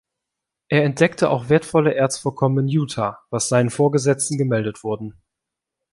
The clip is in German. Er entdeckte auch wertvolle Erzvorkommen in Utah, was seinen Vorgesetzten gemeldet wurden.